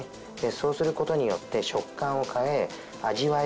そうする事によって食感を変え味わいを変えます。